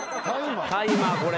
タイマーこれ。